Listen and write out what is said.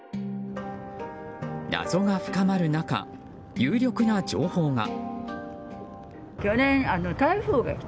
謎が深まる中、有力な情報が。